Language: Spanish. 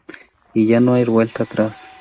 Y ya no hay vuelta atrás.